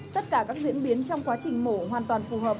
tất cả các diễn biến trong quá trình mổ hoàn toàn phù hợp